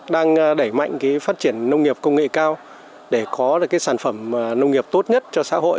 đang đẩy mạnh phát triển nông nghiệp công nghệ cao để có được cái sản phẩm nông nghiệp tốt nhất cho xã hội